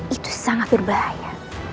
itu sangat berbahaya